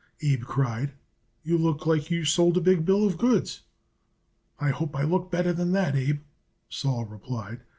Abe cried. "You look like you sold a big bill of goods." "I hope I look better than that, Abe," Sol replied.